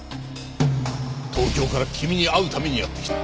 東京から君に会うためにやって来た。